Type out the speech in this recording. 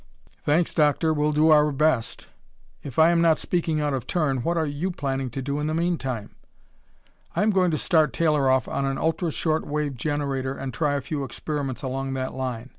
"Thanks, Doctor, we'll do our best. If I am not speaking out of turn, what are you planning to do in the mean time?" "I am going to start Taylor off on an ultra short wave generator and try a few experiments along that line.